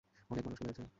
অনেক মানুষকে মেরেছে।